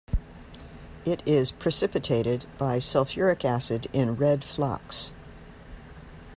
It is precipitated by sulfuric acid in red flocks.